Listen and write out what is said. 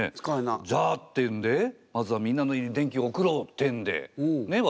じゃあ！っていうんでまずはみんなの家に電気を送ろうってんでねえ